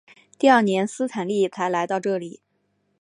第二年斯坦利才来到这里。